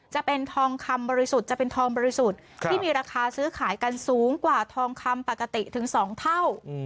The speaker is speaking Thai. จะเป็นทองคำบริสุทธิ์ที่มีราคาซื้อขายกันสูงกว่าทองคำปกติถึง๒เท่า